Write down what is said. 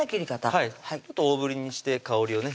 はいちょっと大ぶりにして香りをね